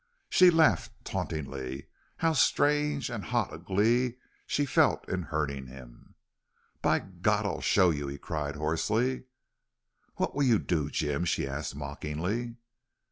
She laughed tauntingly. How strange and hot a glee she felt in hurting him! "By God, I'll show you!" he cried, hoarsely. "What will you do, Jim?" she asked, mockingly.